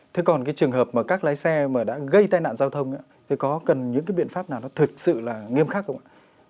thế còn cái trường hợp mà các lái xe mà đã gây tai nạn giao thông thì có cần những cái biện pháp nào nó thực sự là nghiêm khắc không ạ